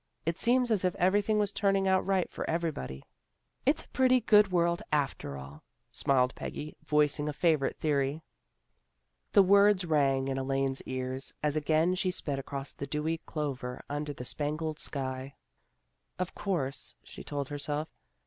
It seems as if everything was turning out right for every body." " It's a pretty good world after all," smiled Peggy, voicing a favorite theory. The words rang in Elaine ? s ears as again she sped across the dewy clover under the spangled sky. " Of course," she told herself.